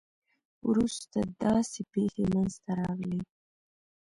وروسته داسې پېښې منځته راغلې.